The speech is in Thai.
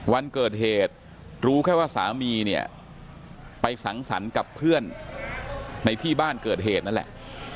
วันเกิดเหตุรู้แค่ว่าสามีเนี่ยไปสังสรรค์กับเพื่อนในที่บ้านเกิดเหตุนั่นแหละ